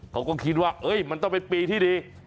เขาก็คิดว่าเฮ้ยมันเป็นปีที่ดี